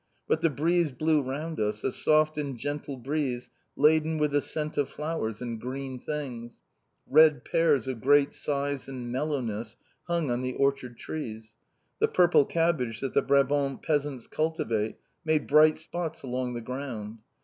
But the breeze blew round us, a soft and gentle breeze, laden with the scent of flowers and green things. Red pears of great size and mellowness hung on the orchard trees. The purple cabbage that the Brabant peasants cultivate made bright spots along the ground.